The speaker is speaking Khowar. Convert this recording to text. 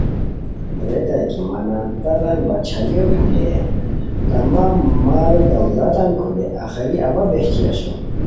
ریتائے کی مہ نان تتان باچھائیو کھولئے، تمام مال و دولتان کھولئے، آخری اوا بہچی اسوم